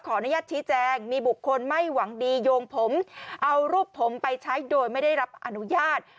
อนุญาตชี้แจงมีบุคคลไม่หวังดีโยงผมเอารูปผมไปใช้โดยไม่ได้รับอนุญาต